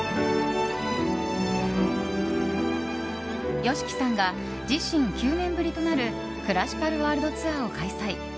ＹＯＳＨＩＫＩさんが自身９年ぶりとなるクラシカルワールドツアーを開催。